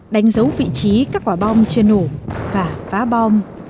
đánh dấu vị trí các quả bom chưa nổ và phá bom